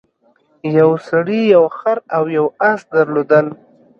یو سړي یو خر او یو اس درلودل.